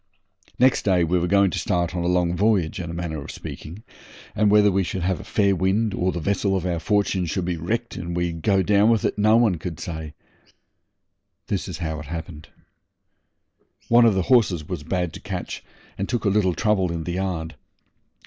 Next day we were going to start on a long voyage, in a manner of speaking, and whether we should have a fair wind or the vessel of our fortune would be wrecked and we go down with it no one could say. This is how it happened. One of the horses was bad to catch, and took a little trouble in the yard.